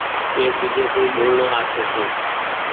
ايڪ ۮوجهي سون ٻولڻو آڇو ڇي۔